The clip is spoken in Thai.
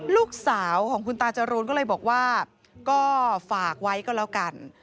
ลูกสาวของคุณตาจรูนก็เลยบอกว่าก็ฝากไว้ก็แล้วกัน